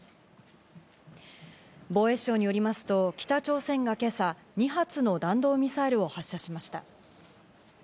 防衛省によりますと北朝鮮が今朝、２発の弾道ミサイルを発射しました。